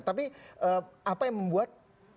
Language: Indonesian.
tapi apa yang membuat